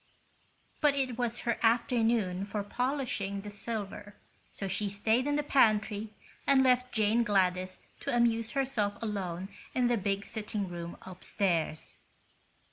But it was her afternoon for polishing the silver, so she stayed in the pantry and left Jane Gladys to amuse herself alone in the big sitting room upstairs.